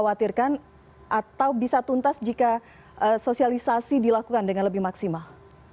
atau bisa tuntas jika sosialisasi dilakukan dengan lebih maksimal